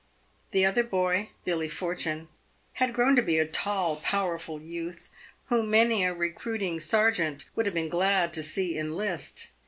The other boy, Billy Fortune, had grown to be a tall, powerful youth, whom many a recruiting sergeant would have been glad to see enlist.